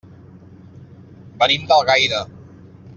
Venim d'Algaida.